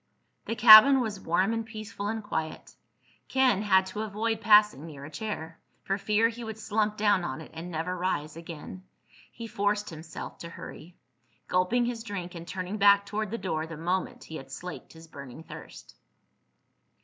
The cabin was warm and peaceful and quiet. Ken had to avoid passing near a chair, for fear he would slump down on it and never rise again. He forced himself to hurry, gulping his drink and turning back toward the door the moment he had slaked his burning thirst.